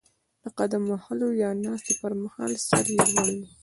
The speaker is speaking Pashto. د قدم وهلو یا ناستې پر مهال سر یې لوړ وي.